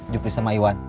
jupri sama iwan